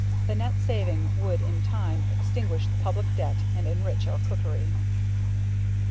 The net saving would in time extinguish the public debt, and enrich our cookery.